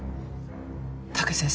武先生